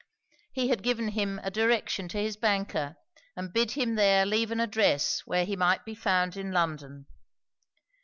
He had given him a direction to his banker, and bid him there leave an address where he might be found in London.